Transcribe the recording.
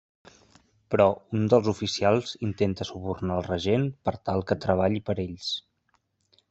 Però un dels oficials intenta subornar el regent per tal que treballi per ells.